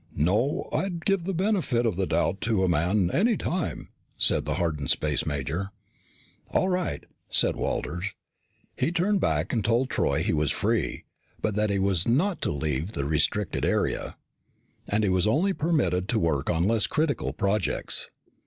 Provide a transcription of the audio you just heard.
"No. I'd give the benefit of the doubt to a man any time," said the hardened space major. "All right," said Walters. He turned back and told Troy he was free, but that he was not to leave the restricted area. And he was only permitted to work on less critical projects.